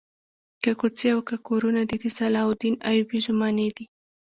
که کوڅې او که کورونه دي د صلاح الدین ایوبي زمانې دي.